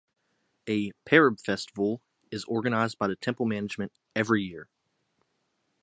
A "Parab festival" is organised by the temple management every year.